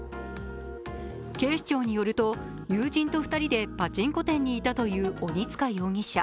警視庁によると、友人と２人でパチンコ店にいたという鬼束容疑者。